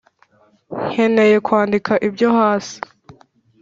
nkeneye kwandika ibyo hasi.